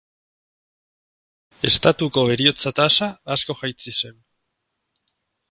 Estatuko heriotza-tasa asko jaitsi zen.